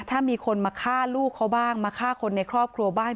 ถ้ามีคนมาฆ่าลูกเขาบ้างมาฆ่าคนในครอบครัวบ้าง